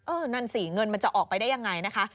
นั่นสิเงินมันจะออกไปได้ยังไงนะคะ